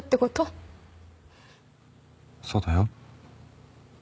そうだよ。